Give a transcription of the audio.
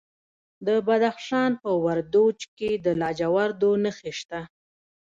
د بدخشان په وردوج کې د لاجوردو نښې شته.